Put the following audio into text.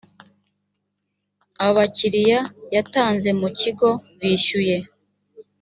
abakiliya yatanze mu kigo bishyuye.